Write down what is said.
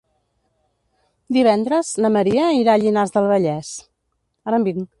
Divendres na Maria irà a Llinars del Vallès.